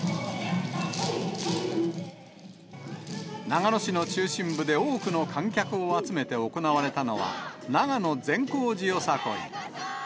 長野市の中心部で多くの観客を集めて行われたのは、ナガノ善行寺よさこい。